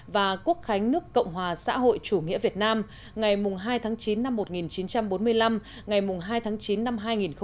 và quốc khánh nước cộng hòa xã hội chủ nghĩa việt nam ngày hai tháng chín năm một nghìn chín trăm bốn mươi năm ngày hai tháng chín năm hai nghìn một mươi chín